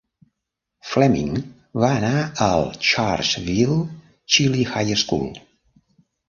Fleming va anar al Churchville-Chili High School.